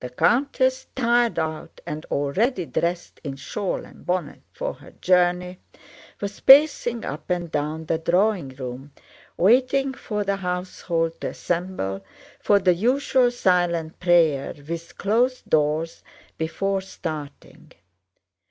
The countess, tired out and already dressed in shawl and bonnet for her journey, was pacing up and down the drawing room, waiting for the household to assemble for the usual silent prayer with closed doors before starting.